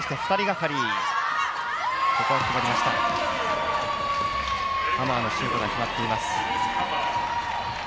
ハマーのシュートが決まっています。